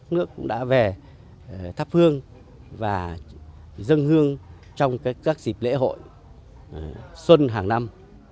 nước cũng đã về thắp hương và dân hương trong các dịp lễ hội xuân hàng năm